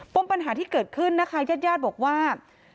ปัญหาที่เกิดขึ้นนะคะญาติญาติบอกว่า